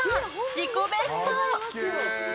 自己ベスト。